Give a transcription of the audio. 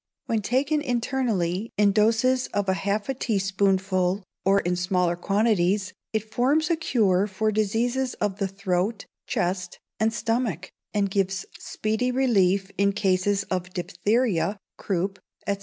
When taken internally, in doses of half a teaspoonful, or in smaller quantities, it forms a cure for diseases of the throat, chest, and stomach, and gives speedy relief in cases of diphtheria, croup, &c.